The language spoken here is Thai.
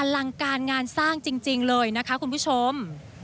ลังการงานสร้างจริงเลยนะคะคุณผู้ชม